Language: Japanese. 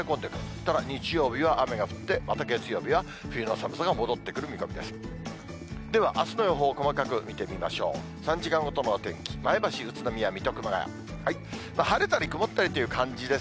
ただ、日曜日は雨が降って、また月曜日は冬の寒さが戻ってくる見込みです。